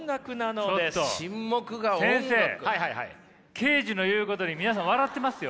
ケージの言うことに皆さん笑ってますよ。